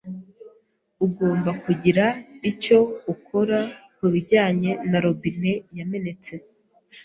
Ugomba kugira icyo ukora kubijyanye na robine yamenetse.